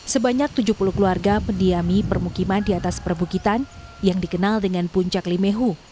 sebanyak tujuh puluh keluarga mendiami permukiman di atas perbukitan yang dikenal dengan puncak limehu